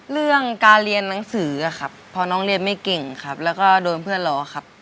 เรื่องการเรียนหนังสือครับพอน้องเรียนไม่เก่งครับแล้วก็โดนเพื่อนล้อครับ